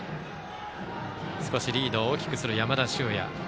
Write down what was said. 少しリードを大きくする山田脩也。